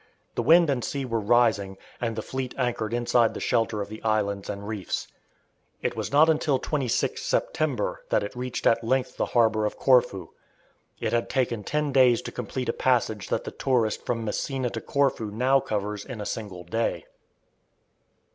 The wind and sea were rising, and the fleet anchored inside the shelter of the islands and reefs. It was not until 26 September that it reached at length the harbour of Corfu. It had taken ten days to complete a passage that the tourist from Messina to Corfu now covers in a single day.